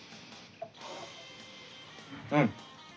うん。